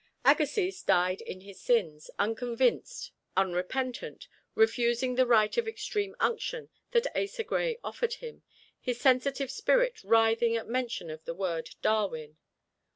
Agassiz died in his sins, unconvinced unrepentant, refusing the rite of extreme unction that Asa Gray offered him, his sensitive spirit writhing at mention of the word "Darwin."